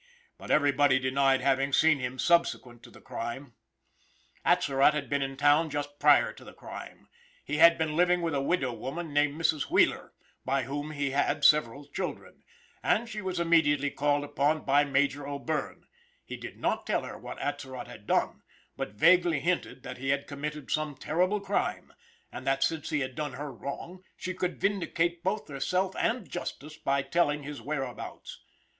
But everybody denied having seen him subsequent to the crime. Atzerott had been in town just prior to the crime. He had been living with a widow woman named Mrs. Wheeler, by whom he had several children, and she was immediately called upon by Major O'Bierne. He did not tell her what Atzerott had done, but vaguely hinted that he had committed some terrible crime, and that since he had done her wrong, she could vindicate both herself and justice by telling his whereabouts.